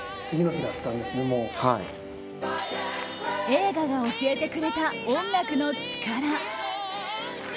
映画が教えてくれた音楽の力。